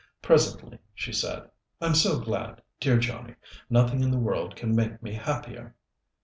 Presently she said: "I'm so glad, dear Johnnie. Nothing in the world could make me happier."